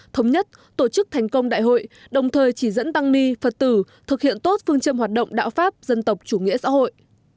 thống nhất tổ chức thành công đại hội đồng thời chỉ dẫn tăng ni phật tử thực hiện tốt phương châm hoạt động đạo pháp dân tộc chủ nghĩa xã hội